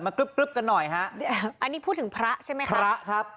กรึ๊บกันหน่อยฮะอันนี้พูดถึงพระใช่ไหมคะพระครับ